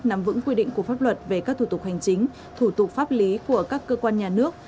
nắm vững quy định của pháp luật về các thủ tục hành chính thủ tục pháp lý của các cơ quan nhà nước